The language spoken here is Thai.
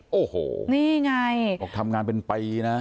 โอ้โหนี่ไงบอกทำงานเป็นปีนะ